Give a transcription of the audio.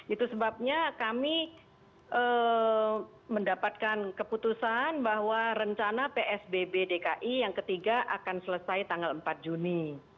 itu sebabnya kami mendapatkan keputusan bahwa rencana psbb dki yang ketiga akan selesai tanggal empat juni